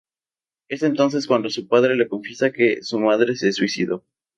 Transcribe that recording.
Es entonces cuando su padre le confiesa que su madre se suicidó.